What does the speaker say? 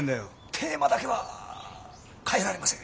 テーマだけは変えられません。